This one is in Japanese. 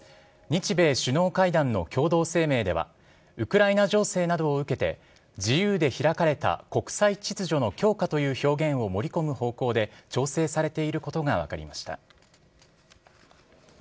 日米首脳会談の共同声明では、ウクライナ情勢などを受けて、自由で開かれた国際秩序の強化という表現を盛り込む方向で、調整されていることが分かりました。